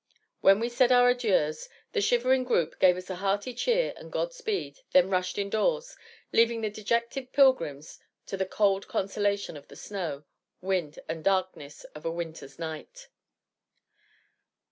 When we said our adieux the shivering group gave us a hearty cheer and God speed, then rushed indoors, leaving the dejected pilgrims to the cold consolation of the snow, wind and darkness of a winter's night.